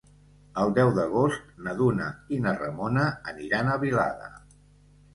El deu d'agost na Duna i na Ramona aniran a Vilada.